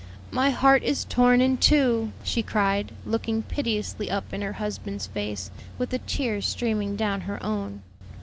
"My heart is torn in two!" she cried, looking piteously up in her husband's face, with the tears streaming down her own.